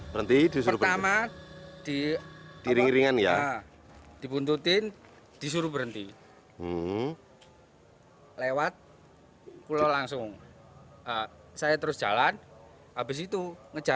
berapa motor dua motor satu metik satu biasa